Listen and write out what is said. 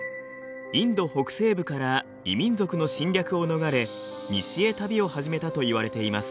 インド北西部から異民族の侵略を逃れ西へ旅を始めたといわれています。